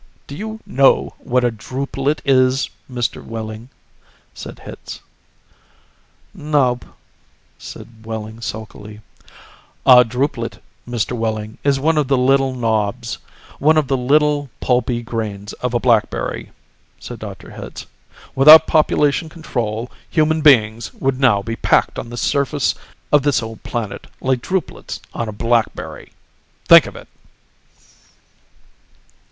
Do you know what a drupelet is, Mr. Wehling?" said Hitz. "Nope," said Wehling sulkily. "A drupelet, Mr. Wehling, is one of the little knobs, one of the little pulpy grains of a blackberry," said Dr. Hitz. "Without population control, human beings would now be packed on this surface of this old planet like drupelets on a blackberry! Think of it!"